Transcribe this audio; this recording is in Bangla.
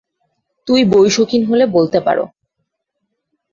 তুমি বই শৌখিন হলে বলতে পারো।